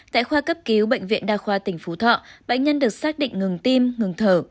tại khoa cấp cứu bệnh viện đa khoa tỉnh phú thọ bệnh nhân được xác định ngừng tim ngừng thở